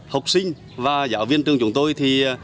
học sinh và giáo viên trường chúng tôi thì